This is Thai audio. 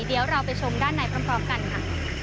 เดี๋ยวเราไปชมด้านในพร้อมกันค่ะ